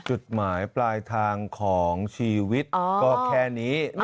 จุดหมายปลายทางของชีวิตก็แค่นี้